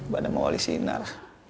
bukan sama wale sinar